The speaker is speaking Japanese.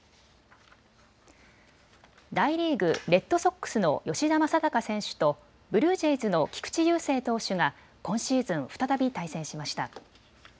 大リーグ、レッドソックスの吉田正尚選手とブルージェイズの菊池雄星投手が今シーズン再び対戦しました。